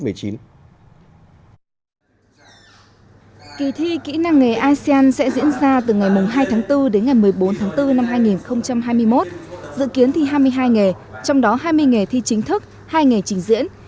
kỳ thi kỹ năng nghề asean sẽ diễn ra từ ngày hai tháng bốn đến ngày một mươi bốn tháng bốn năm hai nghìn hai mươi một dự kiến thi hai mươi hai nghề trong đó hai mươi nghề thi chính thức hai nghề trình diễn